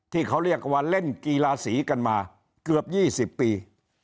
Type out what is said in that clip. ที่เขาเรียกว่าเล่นกีฬาสีกันมาเกือบ๒๐ปี